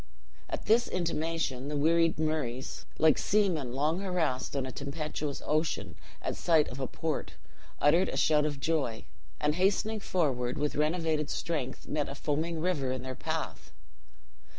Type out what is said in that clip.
At this intimation, the wearied Murrays like seamen long harassed on a tempestuous ocean at sight of a port uttered a shout of joy; and hastening forward with renovated strength, met a foaming river in their path.